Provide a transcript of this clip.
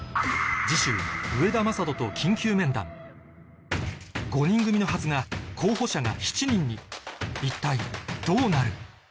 次週上田将人と５人組のはずが候補者が７人に一体どうなる？